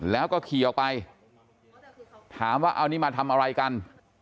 แล้วก็ขี่ออกไปถามว่าเอานี่มาทำอะไรกัน